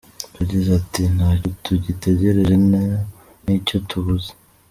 Yagize ati “Ntacyo tugitegereje nta n’icyo tubuze.